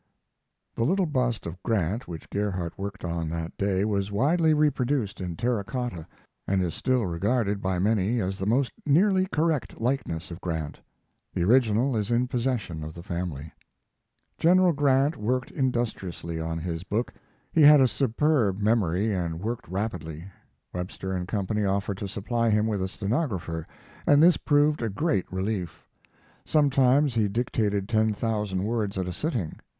The little bust of Grant which Gerhardt worked on that day was widely reproduced in terra cotta, and is still regarded by many as the most nearly correct likeness of Grant. The original is in possession of the family. General Grant worked industriously on his book. He had a superb memory and worked rapidly. Webster & Co. offered to supply him with a stenographer, and this proved a great relief. Sometimes he dictated ten thousand words at a sitting.